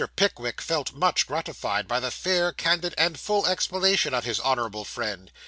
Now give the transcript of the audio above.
PICKWICK felt much gratified by the fair, candid, and full explanation of his honourable friend.